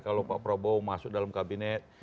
kalau pak prabowo masuk dalam kabinet